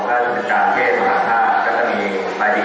การพุทธศักดาลัยเป็นภูมิหลายการพุทธศักดาลัยเป็นภูมิหลาย